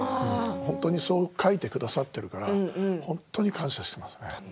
本当にそう書いてくださっているから感謝しています。